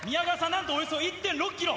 なんとおよそ１．６ｋｍ！